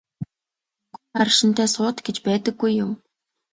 Хөнгөн араншинтай суут гэж байдаггүй юм.